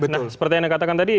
nah seperti yang dikatakan tadi